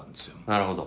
なるほど。